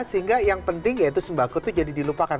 sehingga yang penting ya itu sembako itu jadi dilupakan